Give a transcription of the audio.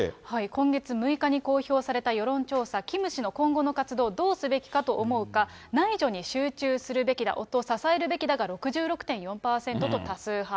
今月６日に公表された世論調査、キム氏の今後の活動、どうすべきかと思うか、内助に集中するべきだ、夫を支えるべきだが６６．４％と多数派。